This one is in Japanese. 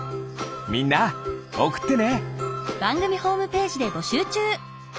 みんなおくってね！